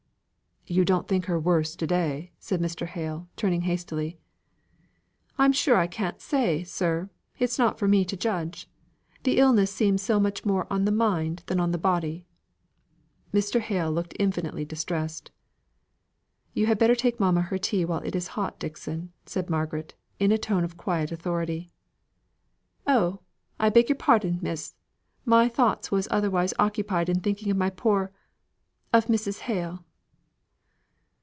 "You don't think her worse to day," said Mr. Hale, turning hastily. "I am sure I can't say, sir. It's not for me to judge. The illness seems so much more on the mind than on the body." Mr. Hale looked infinitely distressed. "You had better take mamma her tea while it is hot, Dixon," said Margaret, in a tone of quiet authority. "Oh! I beg your pardon, Miss! My thoughts was otherwise occupied in thinking of my poor of Mrs. Hale."